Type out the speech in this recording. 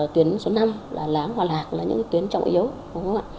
tuyến số năm là láng hòa lạc là những tuyến trọng yếu